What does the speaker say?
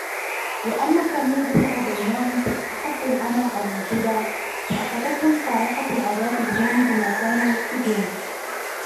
وَأَمَّا ثَمُودُ فَهَدَيْنَاهُمْ فَاسْتَحَبُّوا الْعَمَى عَلَى الْهُدَى فَأَخَذَتْهُمْ صَاعِقَةُ الْعَذَابِ الْهُونِ بِمَا كَانُوا يَكْسِبُونَ